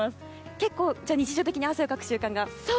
結構、日常的に汗をかく習慣が。